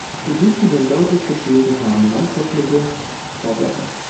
Die Blüten sind deutlich gestielt und haben lanzettliche Vorblätter.